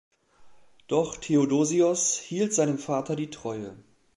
Doch Theodosios hielt seinem Vater die Treue.